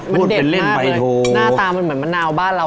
มันเด่นมากเลยหน้าตามันเหมือนมะนาวบ้านเรา